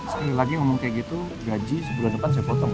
sekali lagi ngomong kayak gitu gaji sebulan depan saya potong